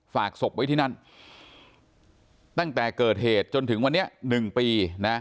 ฝากศพไว้ที่นั่นตั้งแต่เกิดเหตุจนถึงวันนี้๑ปีนะ